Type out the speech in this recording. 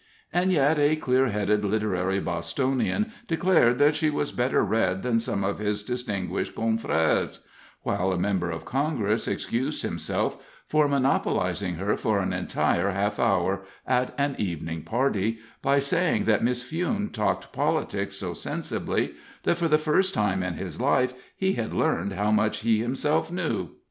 And yet, a clear headed literary Bostonian declared that she was better read than some of his distinguished confreres; while a member of Congress excused himself for monopolizing her for an entire half hour, at an evening party, by saying that Miss Fewne talked politics so sensibly, that for the first time in his life he had learned how much he himself knew.